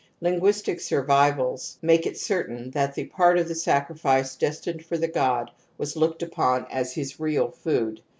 l^inguii^tiip isiirTnyfi^° make it certain that the part of the sacrifice destined for the god was looked upon as his real food.